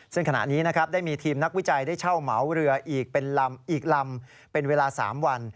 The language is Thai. ซึ่งขณะนี้นะครับได้มีทีมนักวิจัยได้เช่าเหมาเรืออีกเป็นลำอีกลำเป็นเวลา๓วัน